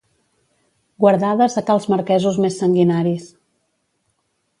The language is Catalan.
Guardades a cals marquesos més sanguinaris.